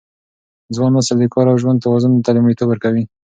ځوان نسل د کار او ژوند توازن ته لومړیتوب ورکوي.